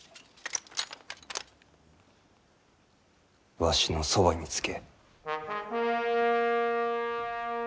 わしのそばにつけ。